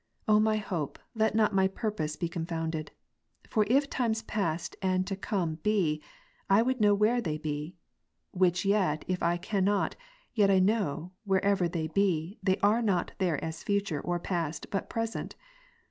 O my Hope, let not my purpose be confounded. For if times past and to come be, I would know where they be. Which yet if I cannot, yet I know, wherever they be, they are not there as future, or past, but present.